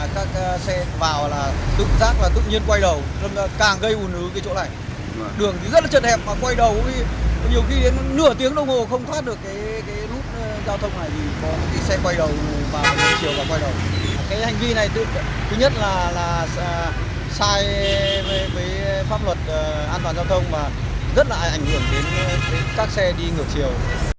cái hành vi này thứ nhất là sai với pháp luật an toàn giao thông và rất là ảnh hưởng đến các xe đi ngược chiều